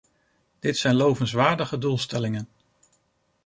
Dit zijn lovenswaardige doelstellingen.